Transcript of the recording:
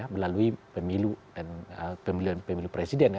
melalui pemilu dan pemilihan pemilu presiden